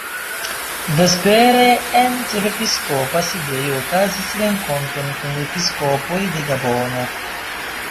Vespere en ĉefepiskopa sidejo okazis renkonto kun episkopoj de Gabono.